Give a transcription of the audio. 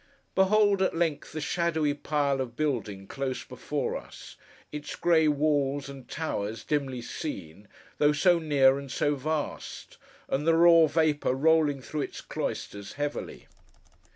Behold, at length the shadowy pile of building close before us: its grey walls and towers dimly seen, though so near and so vast: and the raw vapour rolling through its cloisters heavily.